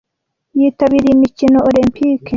Yitabiriye imikino Olempike.